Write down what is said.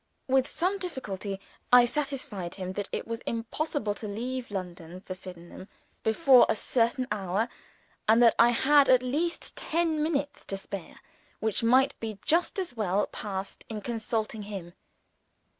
With some difficulty, I satisfied him that it was impossible to leave London for Sydenham before a certain hour, and that I had at least ten minutes to spare which might be just as well passed in consulting him.